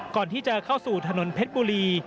ก่อนที่จะเข้าสู่ถนนเพชรบุรี